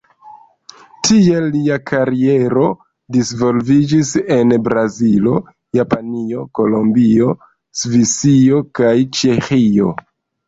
Tiel lia kariero disvolviĝis en Brazilo, Japanio, Kolombio, Svisio kaj Ĉeĥio.